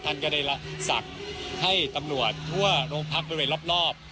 ท่านก็ได้สั่งให้ตำรวจทั่วโรงพักบริเวณรอบ